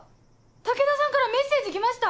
武田さんからメッセージ来ました。